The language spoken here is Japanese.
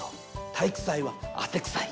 体育祭は汗くさい」。